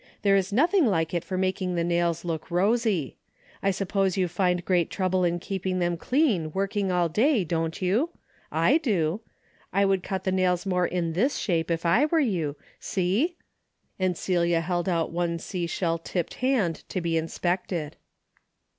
There is nothing like it for making the nails look rosy. I sup pose you find great trouble in keeping them clean, working all day, don't you ? I do. But a nail brush makes the work much easier. I would cut the nails more in this shape if I were you, see ?" and Celia held out one sea shell tipped hand to be inspected.